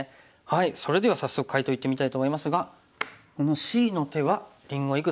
それでは早速解答いってみたいと思いますがこのＣの手はりんごいくつ頂けますか？